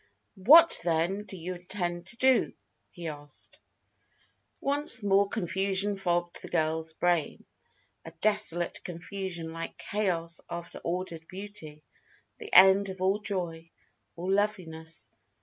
"What, then, do you intend to do?" he asked. Once more confusion fogged the girl's brain, a desolate confusion like chaos after ordered beauty; the end of all joy, all loveliness.